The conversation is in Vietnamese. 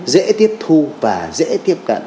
dễ tiếp thu và dễ tiếp cận